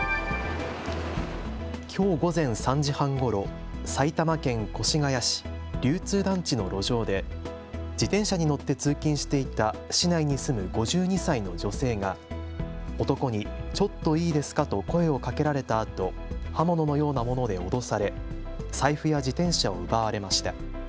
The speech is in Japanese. きょう午前３時半ごろ、埼玉県越谷市流通団地の路上で自転車に乗って通勤していた市内に住む５２歳の女性が男にちょっといいですかと声をかけられたあと刃物のようなもので脅され財布や自転車を奪われました。